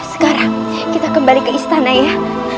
sekarang kita kembali ke istana ya